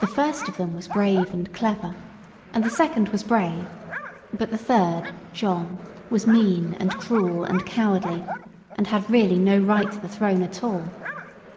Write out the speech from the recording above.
The first of them was brave and clever, and the second was brave, but the third, John, was mean and cruel and cowardly, and had really no right to the throne at all.